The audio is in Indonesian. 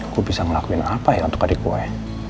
aku bisa ngelakuin apa ya untuk adik gue